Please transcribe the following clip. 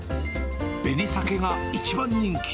紅さけが一番人気。